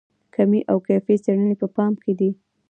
کمي او کیفي څېړنې په پام کې دي.